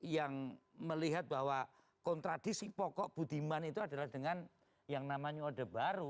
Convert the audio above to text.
yang melihat bahwa kontradisi pokok budiman itu adalah dengan yang namanya orde baru